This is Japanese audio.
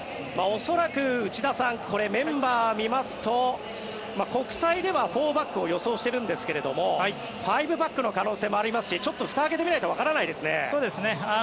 恐らく内田さんこれ、メンバーを見ますと４バックを予想しているんですが５バックの可能性もありますしちょっとふたを開けてみないとわからないですね。